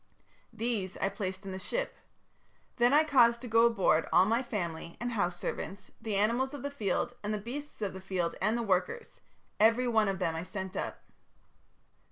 These I placed in the ship. Then I caused to go aboard all my family and house servants, the animals of the field and the beasts of the field and the workers every one of them I sent up.